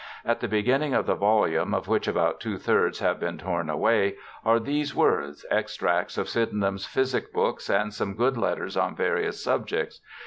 At the beginning of the volume (of which about two thirds have been torn away) are these words :" Extracts of Sydenham's Physick Books and some good Letters on Various Subjects."